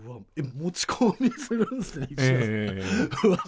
持ち込みするんですね石田さん。